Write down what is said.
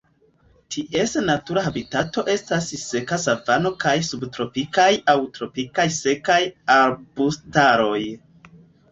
Ties natura habitato estas seka savano kaj subtropikaj aŭ tropikaj sekaj arbustaroj.